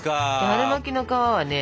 春巻きの皮はね